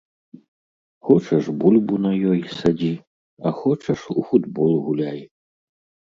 Хочаш бульбу на ёй садзі, а хочаш у футбол гуляй.